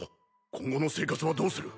今後の生活はどうする？